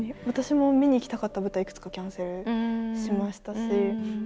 私も見に行きたかった舞台いくつかキャンセルしましたし。